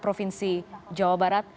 provinsi jawa barat